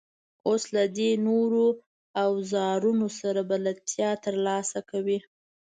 اوس له درې نورو اوزارونو سره بلدیتیا ترلاسه کوئ.